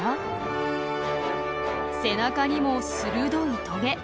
背中にも鋭いトゲ。